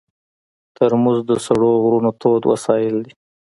ترموز د سړو غرونو تود وسایل دي.